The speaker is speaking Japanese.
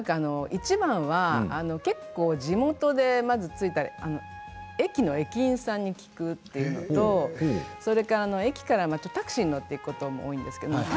一番は結構地元でまず着いたら駅の駅員さんに聞くっていうのとそれから駅からタクシーに乗っていくことも多いんですけど